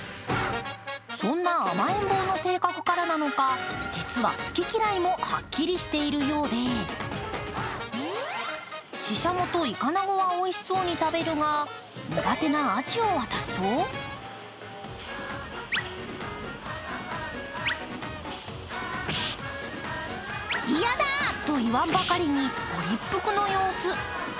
そんな甘えん坊の性格からなのか実は好き嫌いも、はっきりしているようでししゃもと、イカナゴはおいしそうに食べるが苦手なアジを渡すと「嫌だ」といわんばかりにご立腹の様子。